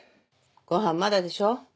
ご飯まだでしょう？